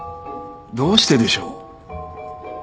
どうしてでしょう？